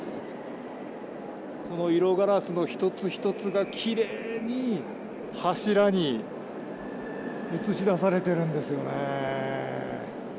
色ガラスの一つ一つがきれいに、柱に映し出されてるんですよね。